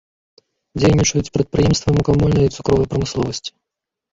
Дзейнічаюць прадпрыемствы мукамольнай і цукровай прамысловасці.